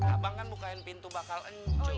abang kan bukain pintu bakal encong